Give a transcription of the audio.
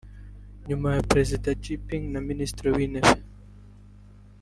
nyuma ya Perezida Xi Jinping na Minisitiri w’Intebe